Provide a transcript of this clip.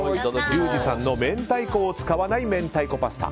リュウジさんの明太子を使わない明太子パスタ。